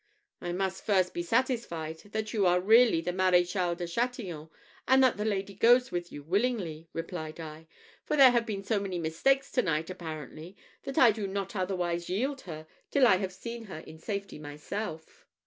"I must first be satisfied that you are really the Maréchal de Chatillon, and that the lady goes with you willingly," replied I; "for there have been so many mistakes to night apparently, that I do not otherwise yield her till I have seen her in safety myself."